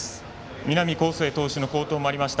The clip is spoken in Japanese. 南恒誠投手の好投もありました。